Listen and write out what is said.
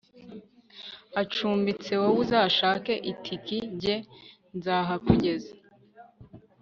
acumbitse wowe uzashake itiki jye nzahakugeza